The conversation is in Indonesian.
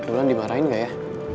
mulan dimarahin gak ya